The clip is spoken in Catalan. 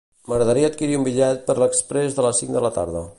M'agradaria adquirir un bitllet per l'exprés de les cinc de la tarda.